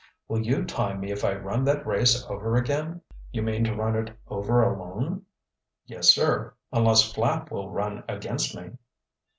"Will you time me if I run that race over again?" "You mean to run it over alone?" "Yes, sir unless Flapp will run against me."